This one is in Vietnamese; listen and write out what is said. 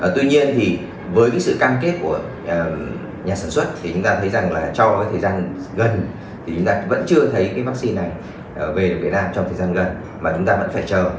tuy nhiên thì với cái sự cam kết của nhà sản xuất thì chúng ta thấy rằng là trong cái thời gian gần thì chúng ta vẫn chưa thấy cái vaccine này về việt nam trong thời gian gần mà chúng ta vẫn phải chờ